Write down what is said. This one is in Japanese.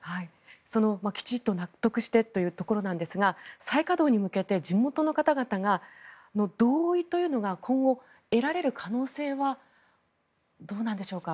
そのきちんと納得してというところですが再稼働に向けて地元の方々の同意というのが今後得られる可能性はどうなんでしょうか。